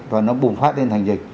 và nó bùng phát lên thành dịch